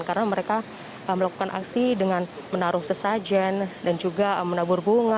karena mereka melakukan aksi dengan menaruh sesajen dan juga menabur bunga